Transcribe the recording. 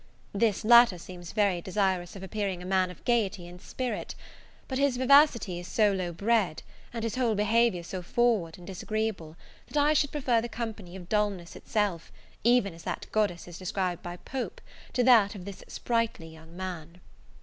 This latter seems very desirous of appearing a man of gaiety and spirit; but his vivacity is so low bred, and his whole behaviour so forward and disagreeable, that I should prefer the company of dullness itself, even as that goddess is described by Pope, to that of this sprightly young man.